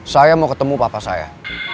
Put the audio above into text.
saya mau ketemu papa saya